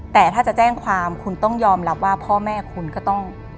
แต่ถ้าจะแจ้งความคุณต้องยอมรับว่าพ่อแม่คุณก็ต้อง